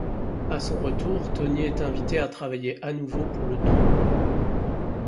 À son retour, Toni est invité à travailler à nouveau pour le don.